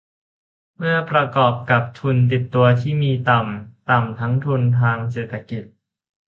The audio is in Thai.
เมื่อประกอบกับทุนติดตัวที่มีต่ำ ต่ำทั้งทุนทางเศรษฐกิจ